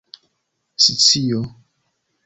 scio